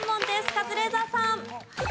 カズレーザーさん。